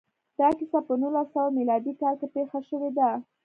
دا کیسه په نولس سوه میلادي کال کې پېښه شوې ده